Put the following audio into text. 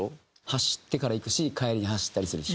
走ってから行くし帰りに走ったりするし。